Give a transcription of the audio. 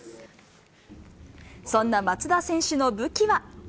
そんな松田選手の武器は？